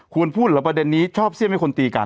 พูดเหรอประเด็นนี้ชอบเสี้ยมให้คนตีกัน